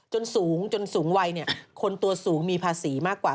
จนสูงจนสูงวัยคนตัวสูงมีภาษีมากกว่า